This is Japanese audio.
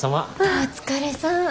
お疲れさん。